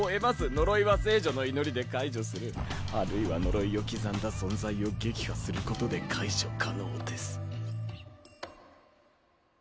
呪いは聖女の祈りで解除するあるいは呪いを刻んだ存在を撃破することで解除可能です」。